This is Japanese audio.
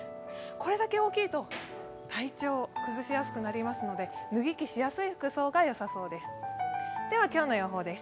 これだけ大きいと、体調崩しやすくなりますので脱ぎ着しやすい服装がよさそうです。